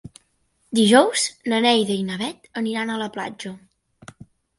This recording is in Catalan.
Dijous na Neida i na Bet aniran a la platja.